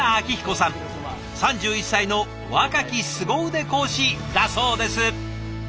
３１歳の若きすご腕講師だそうです。